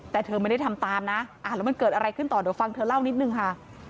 แต่เธอไม่ได้ทำตามนะแล้วมันเกิดอะไรขึ้นต่อเดี๋ยวฟังเธอเล่านิดนึงค่ะ